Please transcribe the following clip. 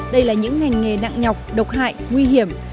đây là những ngành nghề nặng nhọc độc hại nguy hiểm